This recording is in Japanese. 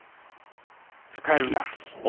使えるな。